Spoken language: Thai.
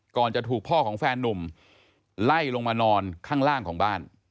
จะถูกพ่อของแฟนนุ่มไล่ลงมานอนข้างล่างของบ้าน